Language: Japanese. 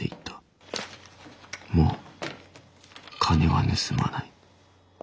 もう金は盗まない。